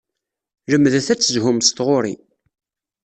Lemdet ad tezhum s tɣuri.